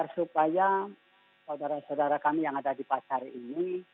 supaya saudara saudara kami yang ada di pasar ini